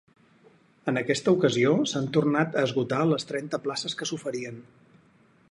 En aquesta ocasió s’han tornat a esgotar les trenta places que s’oferien.